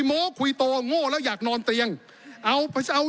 ขอประท้วงครับขอประท้วงครับขอประท้วงครับขอประท้วงครับ